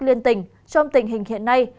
liên tỉnh trong tình hình hiện nay